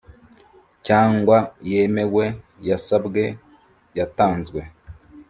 Cyangwa yemewe yasabwe yatanzwe